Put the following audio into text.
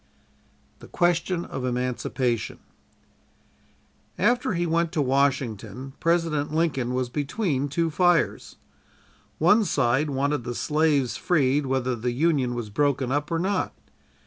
THE QUESTION OF EMANCIPATION After he went to Washington, President Lincoln was between two fires. One side wanted the slaves freed whether the Union was broken up or not.